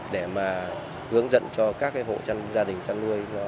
để mà hướng dẫn cho các hộ gia đình chăn nuôi